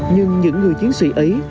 nhưng những người chiến sĩ ấy